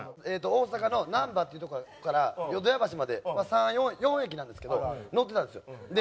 大阪のなんばっていうとこから淀屋橋まで３４駅なんですけど乗ってたんですよ。